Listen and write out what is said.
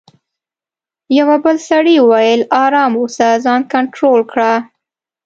یوه بل سړي وویل: آرام اوسه، ځان کنټرول کړه.